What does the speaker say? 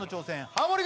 ハモリ